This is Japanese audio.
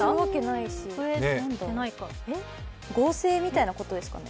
合成みたいなことですかね。